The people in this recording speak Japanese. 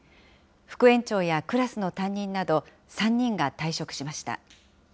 副園長やクラスの担任など３人が退職しました。